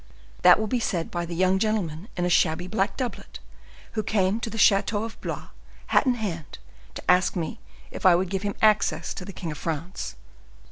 That will be said by the young gentleman in a shabby black doublet, who came to the chateau of Blois, hat in hand, to ask me if I would give him access to the king of France."